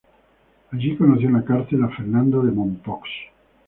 Allí conoció en la cárcel a Fernando de Mompox.